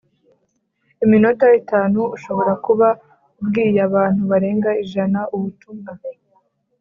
Iminota itanu ushobora kuba ubwiye abantu barenga ijana ubutumwa